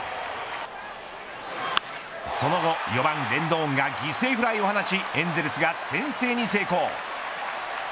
その後４番レンドンが犠牲フライを放ちエンゼルスが先制に成功。